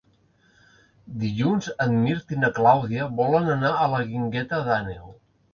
Dilluns en Mirt i na Clàudia volen anar a la Guingueta d'Àneu.